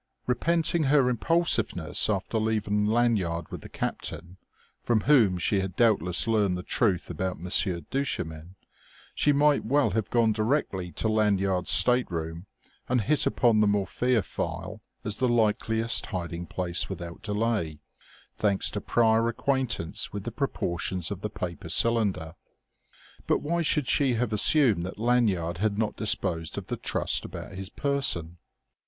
Repenting her impulsiveness, after leaving Lanyard with the captain, from whom she had doubtless learned the truth about "Monsieur Duchemin," she might well have gone directly to Lanyard's stateroom and hit upon the morphia phial as the likeliest hiding place without delay, thanks to prior acquaintance with the proportions of the paper cylinder. But why should she have assumed that Lanyard had not disposed of the trust about his person?